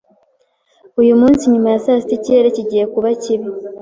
Uyu munsi nyuma ya saa sita ikirere kigiye kuba kibi.